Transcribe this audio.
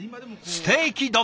ステーキ丼！